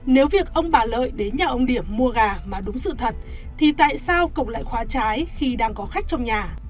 nếu việc ông bà lợi đến nhà ông điểm mua gà mà đúng sự thật thì tại sao cộng lại khóa trái khi đang có khách trong nhà